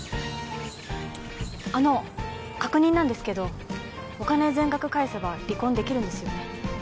あの確認なんですけどお金全額返せば離婚できるんですよね？